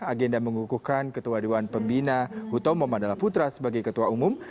agenda mengukuhkan ketua duaan pembina hutomu madala putra sebagai ketua umum